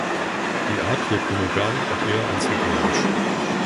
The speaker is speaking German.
Die Art lebt monogam und eher einzelgängerisch.